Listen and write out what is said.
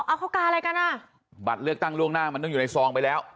เอาเข้าการอะไรกันอ่ะบัตรเลือกตั้งล่วงหน้ามันต้องอยู่ในซองไปแล้ว